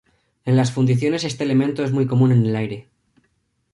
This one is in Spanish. En las fundiciones este elemento es muy común en el aire.